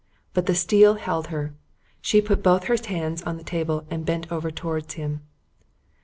But the steel held her. She put both her hands on the table and bent over towards him.